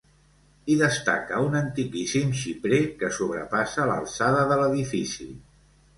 Hi destaca un antiquíssim xiprer que sobrepassa l'alçada de l'edifici.